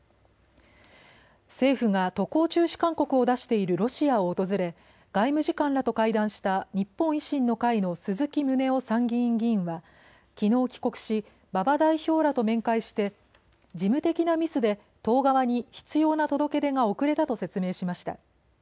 政府が渡航中止勧告を出しているロシアを訪れ外務次官らと会談した日本維新の会の鈴木宗男参議院議員はきのう帰国し馬場代表らと面会して事務的なミスで党側に必要な届け出が遅れたと説明しました。